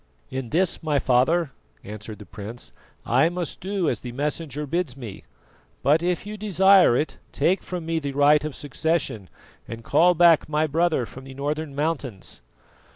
"In this, my father," answered the prince, "I must do as the Messenger bids me; but if you desire it, take from me the right of succession and call back my brother from the northern mountains."